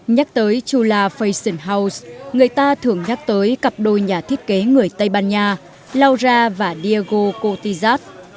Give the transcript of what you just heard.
nhắc tới chula fashion house người ta thường nhắc tới cặp đôi nhà thiết kế người tây ban nha laura và diego kotizat